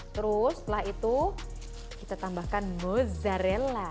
terus setelah itu kita tambahkan mozzarella